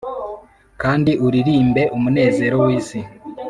kandi uririmbe umunezero w'isi;